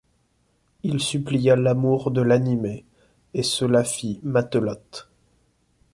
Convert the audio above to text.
Il supplia l’amour de l’animer, et cela fit Matelote.